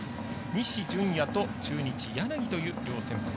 西純矢と中日、柳という両先発。